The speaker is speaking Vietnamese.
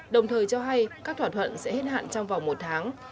đồng thời cho hay các thỏa thuận sẽ hết hạn trong vòng một tháng